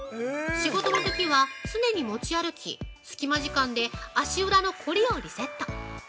仕事のときは常に持ち歩き隙間時間で足裏の凝りをリセット。